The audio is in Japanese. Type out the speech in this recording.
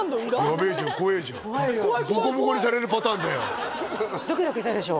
やべえじゃん怖えじゃんボコボコにされるパターンだよドキドキしたでしょ？